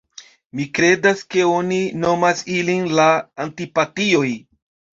Mi kredas ke oni nomas ilin la Antipatioj."